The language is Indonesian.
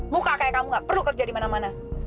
muka kayak kamu gak perlu kerja dimana mana